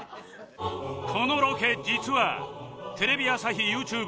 このロケ実はテレビ朝日 ＹｏｕＴｕｂｅ